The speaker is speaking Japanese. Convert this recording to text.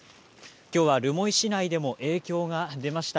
今日は留萌市内でも影響が出ました。